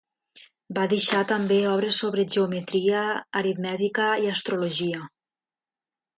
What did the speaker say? Va deixar també obres sobre geometria, aritmètica i astrologia.